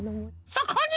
そこに！